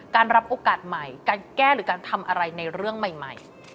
รับโอกาสใหม่การแก้หรือการทำอะไรในเรื่องใหม่